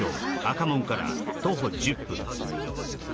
赤門から徒歩１０分